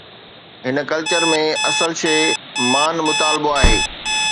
هن ڪلچر ۾ اصل شيءِ ”مان مطالبو“ آهي.